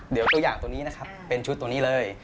เดี๋ยวตัวอย่างตัวนี้นะครับเป็นชุดตัวนี้เลย